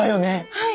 はい！